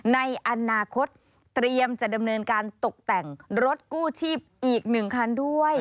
ในอนาคตเตรียมจะดำเนินการตกแต่งรถกู้ชีพอีก๑คันด้วย